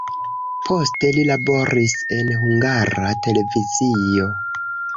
Poste li laboris en Hungara Televizio.